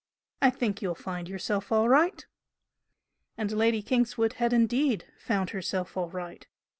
I think you'll find yourself all right!" And Lady Kingswood had indeed "found herself all right."